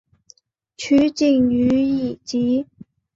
取景于以及。